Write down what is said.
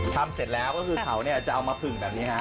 เสร็จแล้วก็คือเขาจะเอามาผึ่งแบบนี้ฮะ